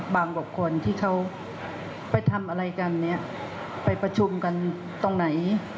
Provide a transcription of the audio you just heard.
บุคคลที่เขาไปทำอะไรกันเนี่ยไปประชุมกันตรงไหน